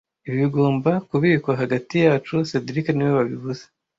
Ibi bigomba kubikwa hagati yacu cedric niwe wabivuze